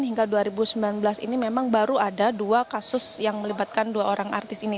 hingga dua ribu sembilan belas ini memang baru ada dua kasus yang melibatkan dua orang artis ini